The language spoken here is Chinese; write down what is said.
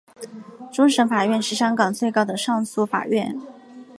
终审法院是香港最高的上诉法院。